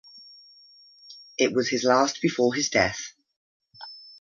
It was his last before his death.